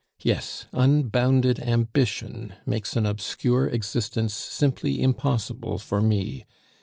Yes, unbounded ambition makes an obscure existence simply impossible for me.